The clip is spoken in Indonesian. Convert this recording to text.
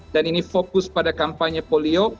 dan ini fokus pada kampanye polio